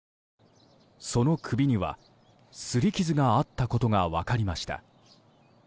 その首には擦り傷があったことが分かりました。